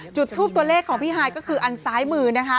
จุดทูปตัวเลขของพี่ฮายก็คืออันซ้ายมือนะคะ